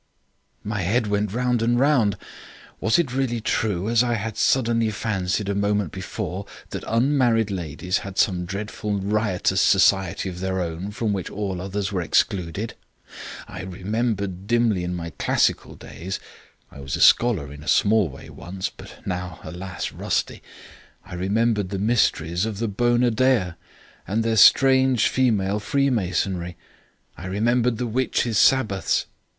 "My head went round and round. Was it really true, as I had suddenly fancied a moment before, that unmarried ladies had some dreadful riotous society of their own from which all others were excluded? I remembered dimly in my classical days (I was a scholar in a small way once, but now, alas! rusty), I remembered the mysteries of the Bona Dea and their strange female freemasonry. I remembered the witches' Sabbaths.